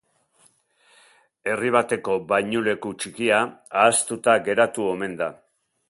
Herri bateko bainuleku txikia ahaztuta geratu omen da.